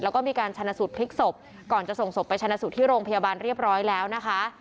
แล้วก็มีการชนะสูตรพลิกศพก่อนจะส่งศพไปชนะสูตรที่โรงพยาบาลเรียบร้อยแล้วนะคะ